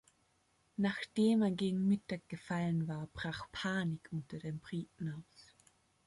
Nachdem er gegen Mittag gefallen war, brach Panik unter den Briten aus.